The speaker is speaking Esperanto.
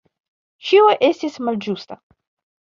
Ĉio estis malĝusta.